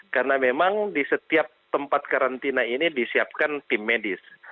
karena memang di setiap tempat karantina ini disiapkan tim medis